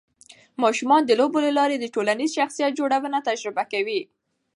ماشومان د لوبو له لارې د ټولنیز شخصیت جوړونه تجربه کوي.